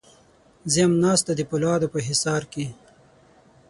زه یم ناسته د پولادو په حصار کې